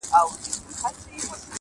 • خزانې د سردارانو يې وهلې,